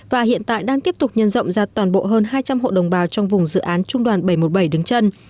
và hiện tại đang tiếp tục nhân rộng ra toàn bộ hơn hai trăm linh hộ đồng bào trong vùng dự án trung đoàn bảy trăm một mươi bảy đứng chân